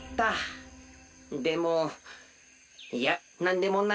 でもいやなんでもない。